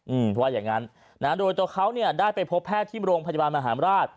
อืมว่าอย่างนั้นโดยตัวเขาได้ไปพบแพทย์ที่โรงพัฒนาบาลมหาราช